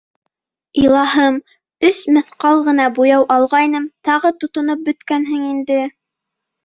— Илаһым, өс мыҫҡал ғына буяу алғайным, тағы тотоноп бөткәнһең инде.